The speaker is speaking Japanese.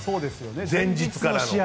前日からの。